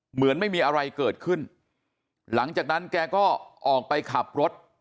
เหมือนไม่มีอะไรเกิดขึ้นหลังจากนั้นแกก็ออกไปขับรถ